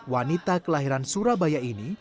wanita kelahiran surabaya ini